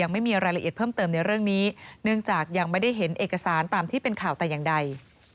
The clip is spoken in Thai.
เนื่องจากยังไม่ได้เห็นเอกสารตามที่เป็นข่าวแต่อย่างใด